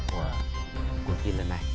của cuộc thi lần này